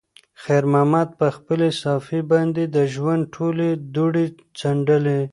خیر محمد په خپلې صافې باندې د ژوند ټولې دوړې څنډلې.